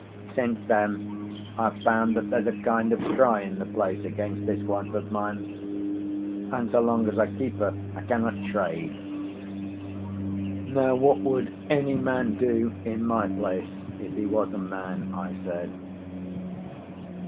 Since then I've found that there's a kind of cry in the place against this wife of mine, and so long as I keep her I cannot trade. Now, what would any man do in my place, if he was a man?" I said.